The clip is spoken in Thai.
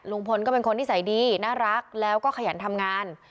ลุงพลก็เป็นคนนิสัยดีน่ารักแล้วก็ขยันทำงาน